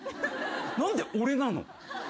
何で俺なの？